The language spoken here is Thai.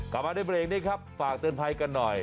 กลับมาในเบรกนี้ครับฝากเตือนภัยกันหน่อย